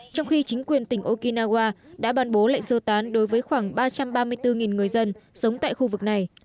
trong khi chính quyền tỉnh okinawa đã bàn bố lệnh sơ tán đối với khoảng ba trăm ba mươi bốn người dân sống tại khu vực này